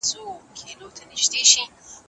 هغه به تر راتلونکي خپله څېړنه بشپړه کړې وي.